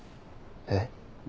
えっ？